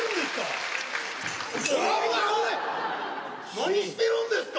何してるんですか！